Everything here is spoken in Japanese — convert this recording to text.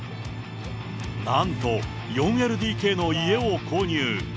なんと４ＬＤＫの家を購入。